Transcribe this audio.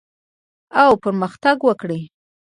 او پرمختګ وکړي